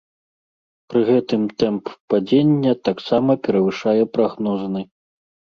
Пры гэтым тэмп падзення таксама перавышае прагнозны.